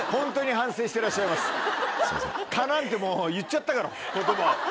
蚊なんてもう言っちゃったから言葉を。